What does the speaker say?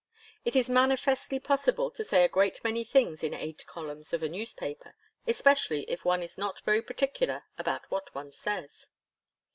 It is manifestly possible to say a great many things in eight columns of a newspaper, especially if one is not very particular about what one says.